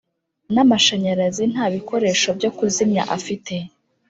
n amashanyarazi nta bikoresho byo kuzimya afite